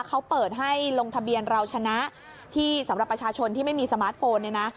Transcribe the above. เขาเปิดให้ลงทะเบียนเราชนะที่สำหรับประชาชนที่ไม่มีสมาร์ทโฟนเนี่ยนะ